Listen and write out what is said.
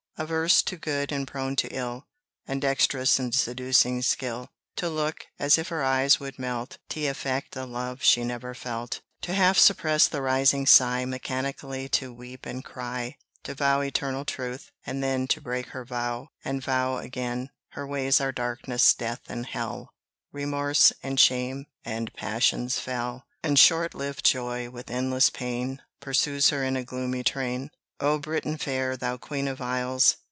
Averse to good and prone to ill, And dexterous in seducing skill; To look, as if her eyes would melt: T' affect a love she never felt; To half suppress the rising sigh; Mechanically to weep and cry; To vow eternal truth, and then To break her vow, and vow again; Her ways are darkness, death, and hell: Remorse and shame and passions fell, And short lived joy, with endless pain, Pursues her in a gloomy train. O Britain fair, thou queen of isles!